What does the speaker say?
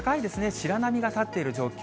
白波が立っている状況。